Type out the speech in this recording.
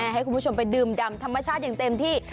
ให้คุณผู้ชมไปดื่มดำธรรมชาติอย่างเต็มที่